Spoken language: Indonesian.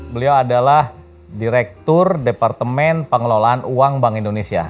beliau adalah direktur departemen pengelolaan uang bank indonesia